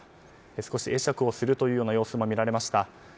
少し会釈をする様子も見られました。